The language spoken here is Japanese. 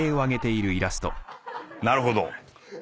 なるほど。